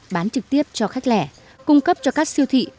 bán trực tiếp cho khách lẻ cung cấp cho các siêu thị